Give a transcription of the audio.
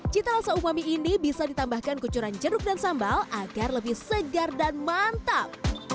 cita rasa umami ini bisa ditambahkan kucuran jeruk dan sambal agar lebih segar dan mantap